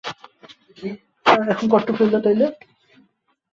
আমি তার প্রেমে পড়েছি।